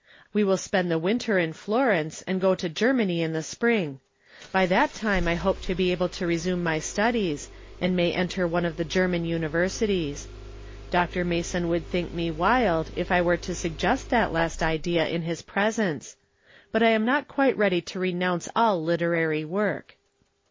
We will spend the winter in Florence, and go to Germany in the spring. By that time I hope to be able to resume my studies, and may enter one of the German Uni versities. Dr. Mason would think me wild if I were to suggest that last idea in Ms presence. But I am not quite ready to renounce all literary work.